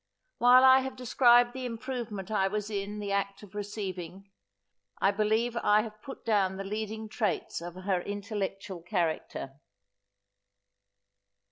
While I have described the improvement I was in the act of receiving, I believe I have put down the leading traits of her intellectual character.